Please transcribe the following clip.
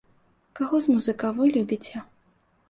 Каго з музыкаў вы любіце?